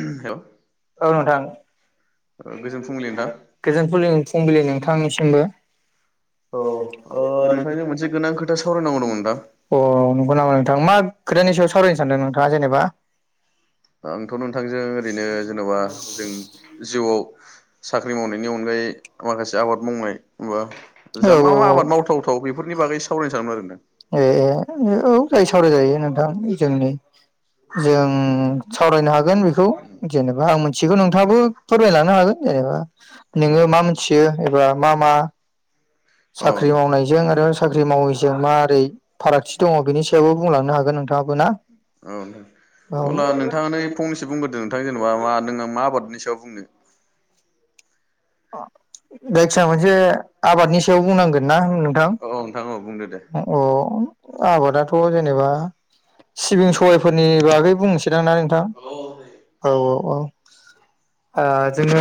Hello औ नोंथां गोजोन फुलि फुंबिलि नोंथांनिसिमबो। औ ओ नोंथांजों मोनसे गोनां खोथा सावरायनांगौ दंमोन नोंथां [unintelligible] अ नंगौ नामा नोंथां मा खोथानि सायाव सावरायनो सानदों नोंथाङा जेनेबा? आंथ' नोंथांजों ओरैनो जेन'बा जों जिउआव साख्रि मावनायनि अनगायै माखासे आबाद मावनाय बा औ जा मा मा आबाद मावथावथाव बेफोरनि बागै सावरायनो सानोमोन आरो नोंथां। ए ए औ जाय सावराय जायो नोंथां जोंनि जों सावरायनो हागोन बेखौ जेनेबा आं मिथिगौ नोंथाङाबो फोरमायलांनो हागोन जेनेबा नोङो मा मोनथियो एबा मा मा?? [unintelligible] आरो साख्रि मावनायजों आरो साख्रि मावैजों मा ओरै फारागथि दङ बेनि सायावबो बुंलांनो हागोन नोंथाङाबो ना औ। नै फनैस बुंग्रोदों नोंथां जेनेबा मा नों आ मा आबादनि सायाव बुंनो अ जायखिजाया मोनसे आबादनि सायाव बुंनांगोन ना नोंथां? औ नोंथां औ बुंदो दे अ आबादाथ' जेनेबा सिबिं सबायफोरनि बागै बुंनोसैदांना नोंथां औ औ [unintelligible] जोङो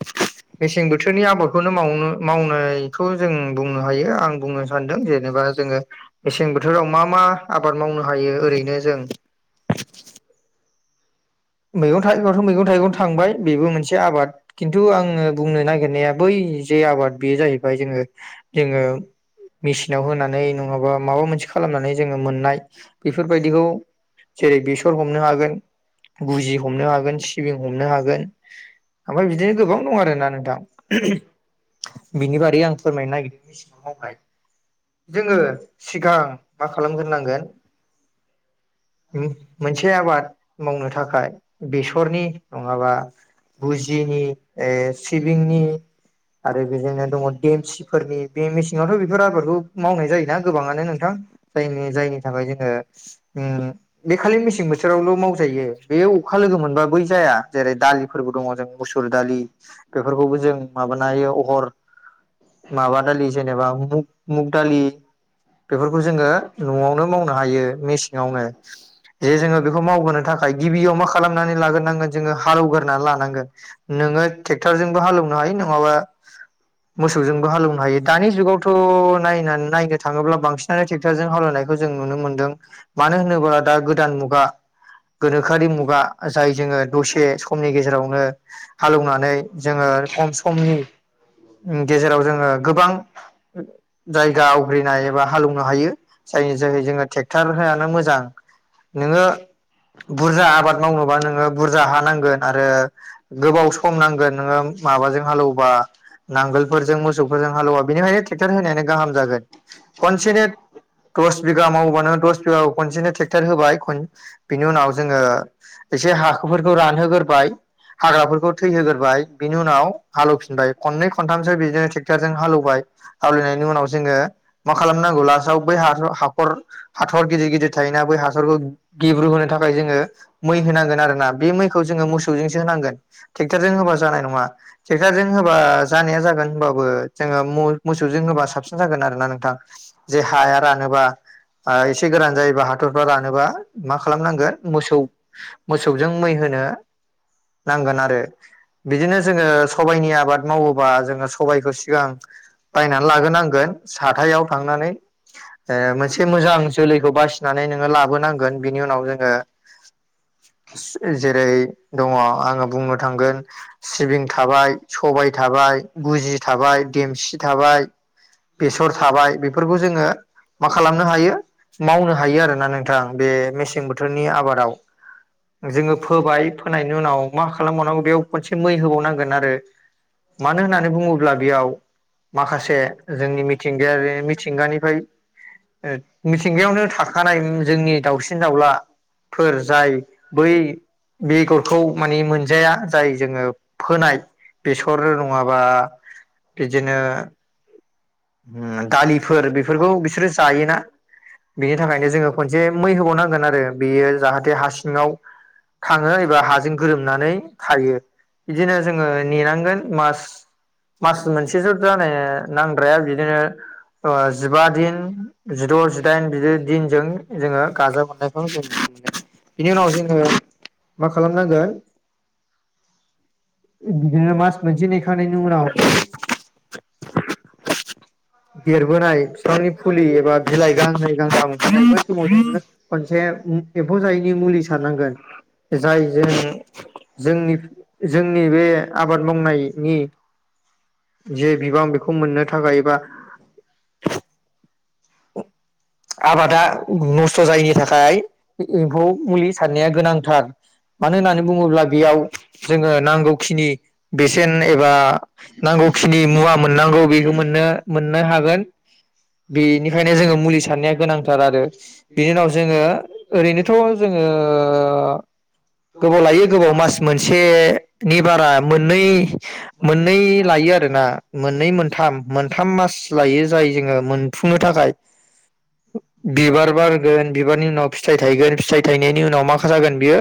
[inaudible] मेसें बोथोरनि आबादखौनो मावनो मावनायखौ जों बुंनो हायो आं बुंनो सानदों जेनेबा जोङो मेसें बोथोराव मा मा आबाद मावनो हायो ओरैनो जों मैगं थाइगथ' मैगं थाइगं थांबाय बेबो मोनसे आबाद खिन्थु आङो बुंनो नागिरनाया बै जे आबाद बेयो जाहैबाय जोङो जोङो मेचिनाव होनानै नङाबा माबा मोनसे खालामनानै जोङो मोननाय बेफोरबायदिखौ जेरै बेसर हमनो हागोन गुजि हमनो हागोन सिबिं हमनो हागोन। ओमफ्राय बिदिनो गोबां दं आरोना नोंथां। बिनि बारै आं फोरमायनो नागिरदों मेसेङाव मावनाय जोङो सिगां मा खालामग्रोनांगोन मोनसे आबाद मावनो थाखाय बेसरनि नङाबा बुजिनि ए सिबिंनि आरो बेजोंनो दङ देमसिफोरनि बे मेसेङावथ' बेफोर आबादखौ मावनाय जायोना गोबाङानो नोंथां। जायनि जायनि थाखाय जोङो बे खालि मेसें बोथोरावल' मावजायो। बे अखा लोगो मोनबा बै जाया जेरै दालिफोरबो दङ जों मुसुर दालि बेफोरखौबो जों माबा बानायो अहर माबा दालि जेनेबा मुग मुग दालि बेफोरखौ जोङो न'आवनो मावनो हायो मेसेङावनो। जे जोङो बेखौ मावबोनो थाखाय गिबियाव मा खालामनानै लाग्रोनांगोन जोङो हालेवग्रोना लानांगोन नोङो ट्रेक्टरजोंबो हालेवनो हायो। माबा मोसौजोंबो हालेवनो हायो दानि जुगावथ' नायनानै नायनो थाङोब्ला बांसिनानो ट्रेक्टरजों हालेवना यखौ जों नुनो मोनदों मानो होनोब्ला दा गोदान मुगा गोनोखोआरि मुगा जाय जोङो दसे समनि गेजेरावनो हालेवनानै जोङो खम समनि गेजेराव जोङो गोबां जायगा आवग्रिनाय एबा हालेवनो हायो जायनि जोहै जोङो ट्रेक्टर होआनो मोजां। नोङो बुरजा आबाद मावनोबा नोङो बुरजा हा नांगोन आरो गोबाव सम नांगोन नोङो मा माबाजों हालौवबा नांगोलफोरजों मोसौफोरजों हालौवबा बेनिखायनो ट्रेक्टर होनायानो गाहाम जागोन। खनसेनो दस बिगा मावबानो दस बिग खनसेनो ट्रेक्टर होबाय बेनि उनाव जोङो एसे हाखुफोरखौ रानहोग्रोबाय। हाग्राफोरखौ थैहोग्रोबाय बिनि उनाव हालेवफिनबाय खननै खनथामसो बिदिनो ट्रेक्टरजों हालेवबाय। हालेवनायनि उनाव जोङो मा खालामनांगौ लासाव बै हाखर हाथर गिदिर गिदिर था मोना बै हाथर गिब्रु होनो थाखाय जोङो मै होनांगोन आरोना बे मैखौ जोङो मोसौजोंसो होनांगोन ट्रेक्टरजों होबा जानाय नङा। ट्रेक्टरजों होबा जानाया जागोन होनबाबो जोङो मोसौजों होबा साबसिन जागोन आरो ना नोंथां जे हाया रानोबा ओ एसे गोरान जायोबा हाथरफ्रा रानोबा मा खा खालामनांगोन मोसौ मोसौजों मै होनो नांगोन आरो बिदिनो जोङो सबाइनि आबाद मावोबा जोङो सबाइखौ सिगां बायनानै लाग्रोनांगोन साथायाव थांनानै ओ मोनसे मोजां जोलैखौ बासिनानै नोङो लाबोनांगोन बिनि उनाव जोङो [inaudible] जेरै दङ आङो बुंनो थांगोन सिबिं थाबाय सबाय थाबाय गुजि थाबाय देमसि थाबाय बेसर थाबाय बेफोरखौ जोङो मा खालामनो हायो मावनो हायो आरोना नोंथां बे मेसें बोथोरनि आबादाव जोङो फोबाय फोनायनि उनाव मा खालामबावनांगौ बेयाव खनसे मै होबावनांगोन आरो मानो होननानै बुङोब्ला बेयाव माखासे जोंनि मिथिंगायारि मिथिंगानिफ्राय ओ मिथिंगायावनो थाखानाय जोंनि दाउसिन दाउला [inaudible] फोर जाय बै बेगरखौ मानि मोनजाया जाय जोङो फोनाय बेसर नङाबा बिदिनो दालिफोर बेफोरखौ बिसोरो जायोना बिनि थाखायनो जोङो खनसे मै होबावनांगोन आरो बेयो जाहाथे हा सिङाव थाङो एबा हाजों गोरोबनानै थायो बिदिनो जोङो नेनांगोन मास मास मोनसेसो जानाय नांगोन बिदिनो ओ जिबा दिन जिद' जिदाइन बिदि दिनजों जोङो गाजा मोननायखौ जों बिनि उनाव जोङो [unintelligible] मा खालामनांगोन बिदिनो मास मोनसे नेनायखानायनि उनाव [inaudible] [inaudible] देरबोनाय बिफांनि फुलि एबा बिलाइ गांनै गांथाम ओंखारनाय समावनो खनसे एम्फौ जायैनि मुलि सारनांगोन जाय जोंनि जोंनि जोंनि बे आबाद मावनायनि [inaudible] जे बिबां बेखौ मोननो थाखायबा [inaudible] आबादा नस्थ' जायैनि थाखाय एम्फौ मुलि सारनाया गोनांथार मानो होननानै बुङोब्ला बेयाव जोङो नांगौखिनि बेसेन एबा नांगौखिनि मुवा मोननांगौ बेखौ मोननो मोननो हागोन बेनिखायनो जोङो मुलि स सारनाया गोनांथार आरो बिनि उनाव जोङो ओरैनोथ' जोङो गोबाव लायो गोबाव मास मोनसेनि बारा मोननै मोननै लायो आरोना मोननै मोनथाम मोनथाम मास लायो जाय जोङो मोनफुंनो थाखाय [inaudible] बिबार बारगोन बिबारनि उनाव फिथाइ थायगोन फिथाइ थायनायनि उनाव माखा जागोन बियो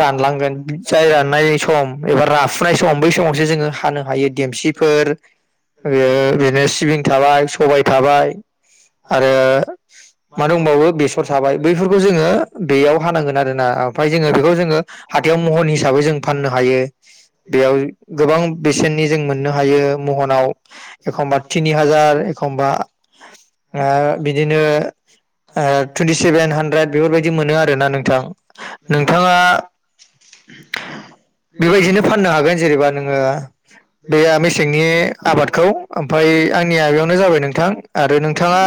रानलांगोन जाय राननाय सम एबा राफुनाय सम बै समावसो जोङो खा देमसिफोर बिदिनो सिबिं थाबाय सबाय थाबाय आरो मा दंबावो बेसर थाबाय बैफोरखौ जोङो बेयाव हानांगोन आरोना ओमफाय जोङो बेखौ जोङो हाथायाव महन हिसाबै जों फाननो हायो बेयाव गोबां बेसेननि जों मोननो हायो महनाव एखमबा तिनि हाजार एखमबा [inaudible] आरो बिदिनो टुवन्टि सेभेन हानद्रेद बेफोरबायदि मोनो आरोना नोंथां नोंथाङा बेबायदिनो फाननो हागोन जेनेबा नोङो दैया मेसेंनि आबादखौ ओमफाय आंनि बेयावनो जाबाय नोंथां आरो [unintelligible] नोंथाङा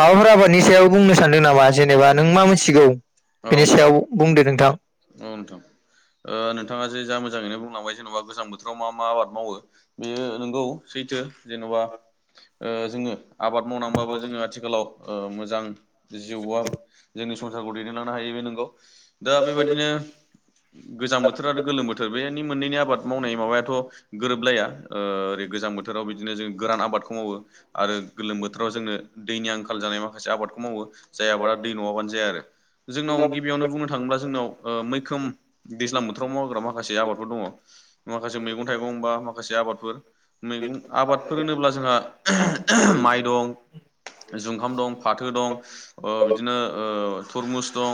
माबाफोर आबादनि सायाव बुंनो सानदों नामा जेनेबा नों मा मिथिगौ? बेनि सायाव बुंदो नोंथां। औ नोंथां ओ नोंथाङा जे जा मोजाङैनो बुंलांबाय जेन'बा गोजां बोथोर बोथोराव मा -मा आबाद मावो बेयो नोंगौ सैथो जेन'बा ओ जोङो आबाद मावनांबाबो जोङो आथिखालाव ओ मोजां जिउआ जोंनि संसारखौ दैदेनलांनो हायो बे नोंगौ। दा बेबायदिनो गोजां बोथोर आरो गोलोम बोथोर बेनि मोननैनि आबाद मावनाय माबायाथ' गोरोबलाया ओ गोजां बोथोराव बिदिनो जों गोरान आबादखौ मावो आरो गोलोम बोथोराव जोंनो दैनि आंखाल जानाय माखासे आबादखौ मावो जाय आबादा दै नङाबानो जाया आरो। जोंनाव गिबियावनो बुंनो थाङोब्ला जोंनाव ओ मैखोम दैज्लां बोथोराव मावोग्रा माखासे आबादफोर दङ। माखासे मैगं -थाइगं बा माखासे आबादफोर मैगं आबादफोर होनोब्ला जोंहा माइ दं, जुखाम दं फाथो दं ओ बिदिनो ओ तरमुस दं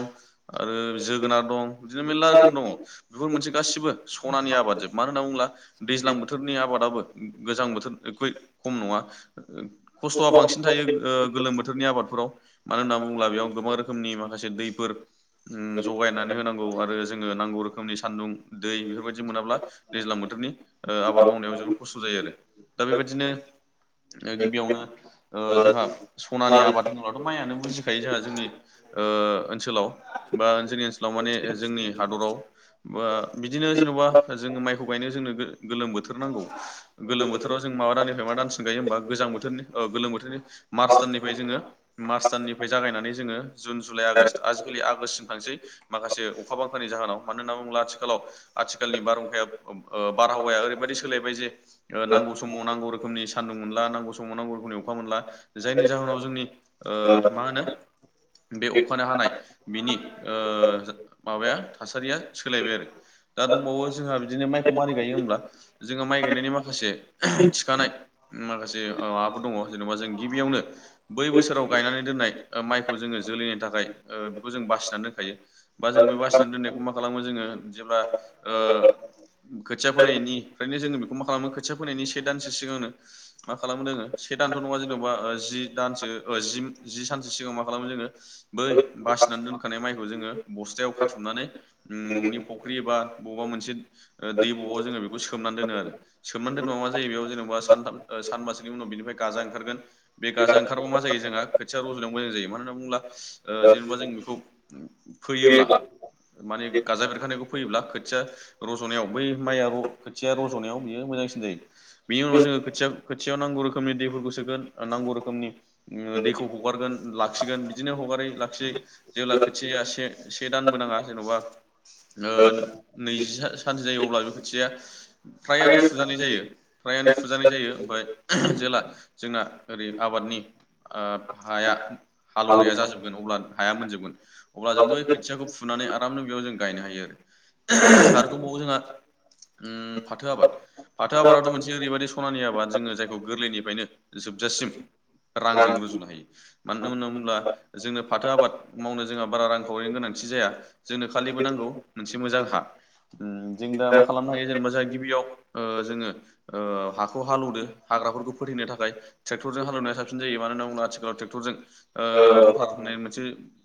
आरो जोगोनार दं बिदिनो मेरला रोखोम दङ‌। बेफोर मोनसे गासिबो सनाय [unintelligible] आबाद जोब। मानो होनना बुङोब्ला दैज्लां बोथोरनि आबादाबो गोजां बोथोरनिख्रुइ खम नङा। खस्थ'आ बांसिन थायो ओ गोलोम बो बोथोरनि आबादफोराव मानो होनना बुङोब्ला बेयाव गोबां रोखोमनि माखासे दैफोर जगायनानै होनांगौ आरो जोङो नांगौ रोखोमनि सान्दुं दै बेफोरबायदि मोनाब्ला दैज्लां बोथोरनि ओ आबाद मावनायाव जोबोद खस्थ' जायो आरो दा बेबायदिनो गिबियावनो ओ जोंहा सनानि आबाद होनोबब्लाथ' माइआनो। बुजिखायो जोंहा ओ जोंनि ओनसोलाव बा जोंनि ओनसोलाव माने जोंनि हादराव बा बिदिनो जेन'बा जों माइ [unintelligible] गायनो जोंनो गोलोम बोथोर नांगौ। गोलोम बोथोराव जों मा दाननिफ्राय मा दानसिन गायो होमबा गोजां बोथोरनि गोलोम बोथोरनि मार्च दाननिफ्राय जोङो मार्च दाननिफ्राय जागायनानै जोङो जुन, जुलाइ, आगष्ट आजिखालि आगष्टसिम थांसै माखासे अखा बांखानि जाहोनाव मानो होनना बुङोब्ला आथिखालाव आथिखालनि बारहुंखाया ओ बारहावाया ओरैबायदि सोलायबाय जे नांगौ समाव नांगौ रोखोमनि सान्दुं मोनला नांगौ सम नांगौ रोखोमनि अखा मोनला जायनि जाहोनाव जोंनि ओ मा होनो? बे अखानो हानाय बिनि ओ माबाया थासारिया सोलायबाय आरो। दा दंबावो जोंहा बिदिनो माइखौ मारि गायो होमब्ला जोङो माइ गायनायनि माखासे थिखानाय माखासे ओ दङ जेनेबा जों गिबियावनो बै बोसोराव गायनानै दोननाय माइखौ जोङो जोलैनि थाखाय ओ बेखौ जों बासिनानै दोनखायो बा जों बे बासिनानै दोननायखौ मा खालामो जोङो जेब्ला ओ खोथिया फोनायनि फ्रायनो जोङो बेखौ मा खालामो खोथिया फोनायनि से दानसो सिगांनो मा खालामो दोङो से दानथ' नङा जेन'बा जि दानसो जि सानसो सिगाङाव मा खालामो जोङो बै बास [unintelligible] दोनखानाय माइखौ जोङो बस्थायाव खाथुमनानै न'नि फख्रि एबा बबेबा मोनसे ओ दैब'आव जोङो बेखौ सोबनानै दोनो आरो। सोमोननानै दोनबा मा जायो बेयाव जेनेबा सानथामह सानबासोनि उनाव बेनिफ्राय गाजा ओंखारगोन। बे गाजा ओंखारबा मा जायो जोङो खोथिया रज'नायाव मोजां जायो मानो होनना बुङोब्ला ओ जेनबा जों [unintelligible] फोयोब्ला माने गाजा बेरखानायखौ फैयोब्ला खोथिया [unintelligible] जनायाव बै माइ खोथिया रज'नायाव बियो मोजांसिन जायो। बेनि उनाव जोङो खोथाया-खोथियायाव नांगौ रोखोम रोखोमनि दैफोरखौ सोगोन। नांगौ रोखोमनि दैखौ हगारगोन लाखिगोन बिदिनो हगारै लाखियै जेब्ला खोथिया से -से दानबो नाङा जेन'बा ओ नैजि सा सान जायो अब्ला बे खोथिया फ्रायानो फुजानाय जायो। फ्रायानो फुजानाय जायो ओमफ्राय जों जेला जोंना ओरै आबादनि ओ हाया हालौवनाया जाजोबगोन अब्ला हाया मोनजोबगोन अब्ला जों बै खोथियाखौ फु आरामनो बेयाव जों गायनो हायो आरो आरो [inaudible] दंबावो जोंहा उम फाथो आबाद फाथो आबादाथ' मोनसे ओरैबायदि सनानि आबाद जोङो जायखौ गोरलैनिफ्रायनो जोबजासिम रांजों रुजुनो हायो मानो होना होनोब्ला जोंनो फाथो आबाद मावनो जोंहा बारा रां खावरिनो गोनां थि जाया जोंनो खालिबो नांगौ मोनसे मोजां हा उम जों दा मा खालामनो हायो जेनेबा जोङो गिबियाव ओ जोङो ओ हाखौ हालौवदो हाग्रा फोरखौ फोथैनो थाखाय थेक्टरजों हालेवनाय साबसिन जायो मान होनना बुङोबा आथिखालाव थेक्टर जों ओ रथार मोनसे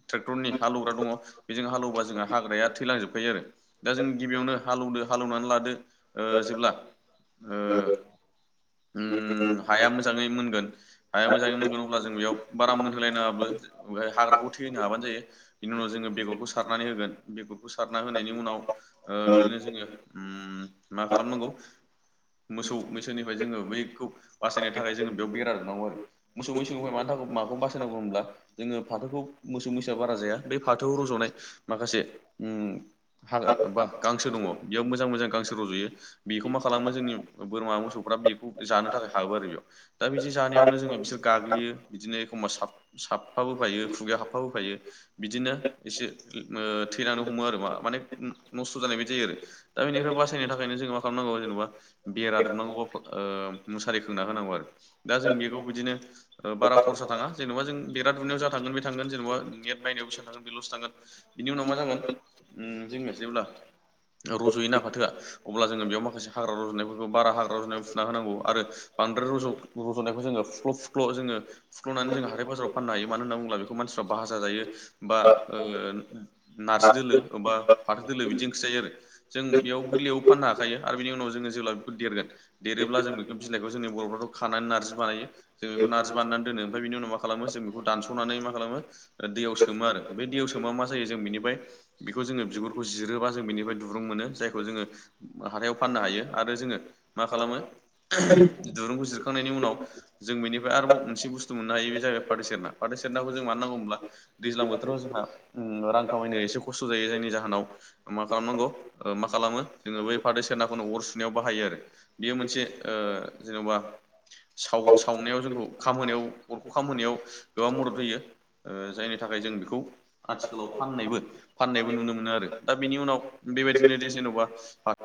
ट्रेक्टरनि हालौवग्रा दङ बेजों हालौवबा जोंहा हाग्राया थैलांजोबखायो आरो दा जों गिबियावनो हालौदो हालौवनानै लादो ओ जेब्ला ओह उम हाया मोजाङै मोनगोन हाया मोजाङै मोनगोन अब्ला जों बेयाव बारा मोनहोलायनाङाबो हाग्राखौ थैहनो हाबानो जायो बेनि उनाव जोङो बेगरखौ सारनानै होगोन बेगरखौ सारना होनायनि उनाव ओ बिदिनो जोङो उम मा खालामनांगौ मोसौ मैसोनिफ्राय जोङो बैखौ बासायनो थाखाय जोङो बेयाव बेरा दुंनांगौ आरो मोसौ मैसोनिफ्राय मानो थाखाय माखौ बासायनांगौ होनब्ला जोङो फाथोखौ मोसौ मैसोआ बारा जाया बे फाथोआव रजनाय माखासे उम हाग्रा गांसो दङ बेयाव मोजां मोजां गांसो रजयो बेखौ मा खालामो जोंनि बोरमा मोसौफ्रा बेखौ जानो थाखाय हाबो आरो बेयाव दा बिदि जानायावनो जोङो बिसोर गाग्लियो बिदिनो एखमबा साब साब साबफाबो बायो हाबफा बोफायो बिदिनो थैनानै हमो आरो बुजायनाय बायदि जायो आरो दा बेनिफ्राय बासायनो थाखायनो ओ मुसारि खोंना होनांगौ आरो दा जों बेगाव बिदिनो बारा खरसा थाङा जेनबा जों देरा‌ दुंनायाव जों थागोन थांगोन जेनेबा नेट बायनायाव बेसेबां थांगोन बे लस थांगोन बेनि उनाव मा जागोन उम जोङो जेब्ला रजयो ना फाथोआ अब्ला जोङो बेयाव माखासे हाग्रा रजनायफोरखौ बारा हाग्रा रजनाय फुना होनांगौ आरो बांद्राय रज'नायखौ जोङो फु्ख्ल फुख्ल जोङो फुख्लनानै जोंङो हाथाइ बाजाराव फाननो हायो मानो होनना बुंब्ला बेखौ मोनस्राव भाजा जायो बा‌नारजि दोलो फाथो दोलो बिदि जों बेयाव गोरलैयाव फाननो हाखायो आरो बिनि उनाव जोङो जेब्ला बेखौ देरगोन देरोब्ला जों बेखौ बेखौ जोंनि बरफ्राथ खानानै नारजि बानायो जों बेखौ नारजि बानायनानै दोनो ओमफ्राय बे उनाव मा खालामो जों बेखौ दानसनानै मा खालामो दैयाव सोमो आरो बे दैयाव सोमा मा जायो जों बेनिफ्राय बेखौ जोङो बिगुरखौ जिरोबा जों बेनिफाय दुरुं मोनो जायखौ जोङो हाथायाव फाननो हायो आरो जोङो मा खालामो दुरुंखौ जिरखांनायनि उनाव जों बेनिफ्राय आरोबाव मोनसे बुस्थु मोननो हायो बे जाहैबाय फाथो सेरना फाथो सेरनाखौ जों जों मानो नांगौ होनब्ला दैज्लां बोथोराव जोंहा रां खामायनायाव एसे खस्थ जायो जायनि जाहोनाव मा खालामनांगौ ओ मा खालामो जोङो बै फाथो सेनाखौनो अर सुनायाव बाहायो आरो बेयो मोनसे ओ जेनबा साव सावनायाव जोंखौ खामहोनायाव अरखौ खामहोनायाव गोबां मदद होयो ओ‌ जायनि थाखाय जों बेखौ आथिखालाव फाननायबो फाननायबो नुनो मोनो आरो दा बिनि उनाव बेबायदिनो जेनबा